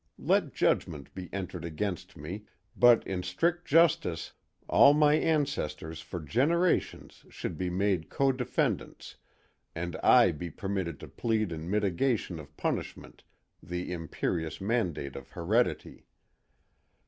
Let judgment be entered against me, but in strict justice all my ancestors for generations should be made co defendants and I be permitted to plead in mitigation of punishment the imperious mandate of heredity.